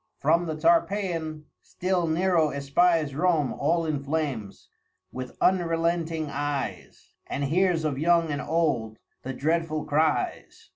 _ From the Tarpeian still Nero espies Rome all in Flames with unrelenting Eyes, _And hears of young and old the dreadful Cries.